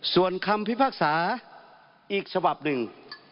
ส่วนคำพิพักษาอีกสภาพนึง